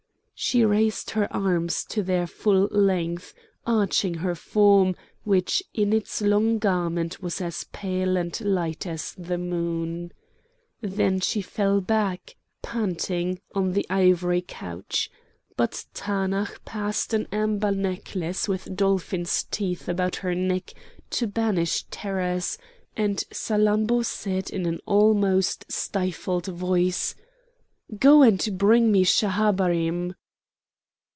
She raised her arms to their full length, arching her form, which in its long garment was as pale and light as the moon. Then she fell back, panting, on the ivory couch; but Taanach passed an amber necklace with dolphin's teeth about her neck to banish terrors, and Salammbô said in an almost stifled voice: "Go and bring me Schahabarim."